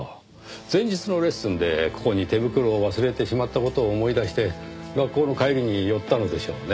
前日のレッスンでここに手袋を忘れてしまった事を思い出して学校の帰りに寄ったのでしょうねぇ。